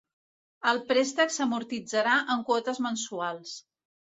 El préstec s'amortitzarà en quotes mensuals.